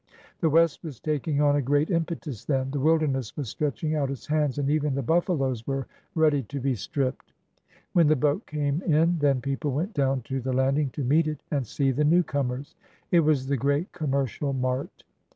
The West was taking on a great impetus then— the wilderness was stretching out its hands, and even the buffaloes were ready to be stripped. When the boat came in then people went down to the FORTY YEARS AGO 351 landing to meet it and see the newcomers. It was the great commercial mart.